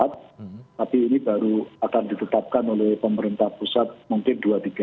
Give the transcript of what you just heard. tapi ini baru akan ditetapkan oleh pemerintah pusat mungkin dua tiga